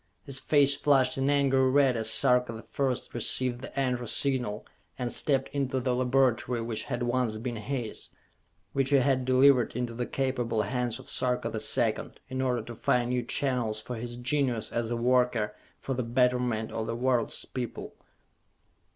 His face flushed an angry red as Sarka the First received the "Enter" Signal and stepped into the laboratory which had once been his which he had delivered into the capable hands of Sarka the Second, in order to find new channels for his genius, as a worker for the betterment of the world's people.